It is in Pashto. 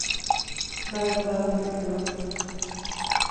دا ورباندې فکر وکړي.